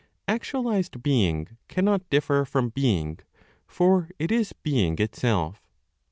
Actualized being cannot differ from being, for it is being itself.